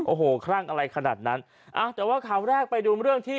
โอ้โหคลั่งอะไรขนาดนั้นอ่าแต่ว่าข่าวแรกไปดูเรื่องที่